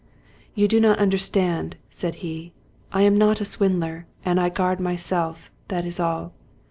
" You do not understand," said he. " I am not a swin dler, and I guard myself ; that is all.